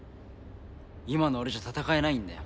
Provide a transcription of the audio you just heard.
今の俺じゃ戦えないんだよ。